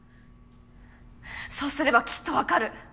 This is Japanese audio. そうすればきっとわかる。